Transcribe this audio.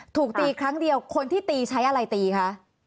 ถูกตีครั้งเดียวคนที่ตีใช้อะไรตีคะ